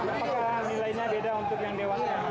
apakah nilainya beda untuk yang dewasa